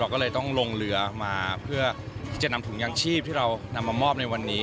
ก็เลยต้องลงเรือมาเพื่อที่จะนำถุงยางชีพที่เรานำมามอบในวันนี้